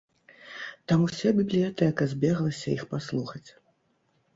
Там уся бібліятэка збеглася іх паслухаць.